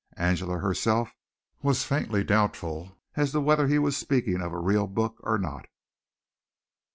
Angela herself was faintly doubtful as to whether he was speaking of a real book or not.